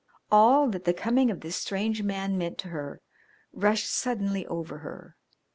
All that the coming of this strange man meant to her rushed suddenly over her.